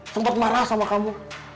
sempat marah sama kamu